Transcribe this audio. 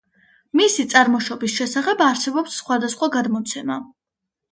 მისი წარმოშობის შესახებ არსებობს სხვადასხვა გადმოცემა.